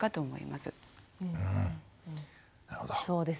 なるほど。